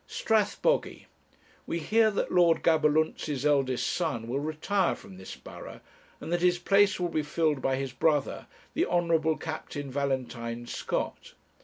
'STRATHBOGY. We hear that Lord Gaberlunzie's eldest son will retire from this borough, and that his place will be filled by his brother, the Honourable Captain Valentine Scott.